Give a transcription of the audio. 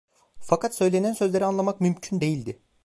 Fakat söylenen sözleri anlamak mümkün değildi.